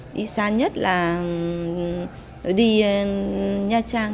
đi xa nhất là đi nha trang